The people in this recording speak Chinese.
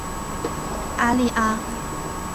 阿利阿。